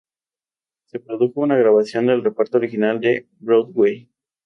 Se produjo una grabación del "reparto original de Broadway".